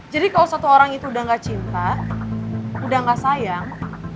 jadi kalau satu orang itu udah gak cinta udah gak sayang